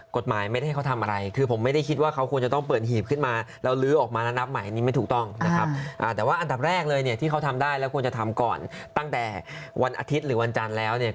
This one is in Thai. กรดหมายไม่ได้ให้เขาทำอะไร